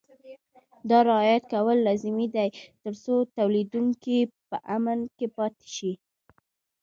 دا رعایت کول لازمي دي ترڅو تولیدوونکي په امن کې پاتې شي.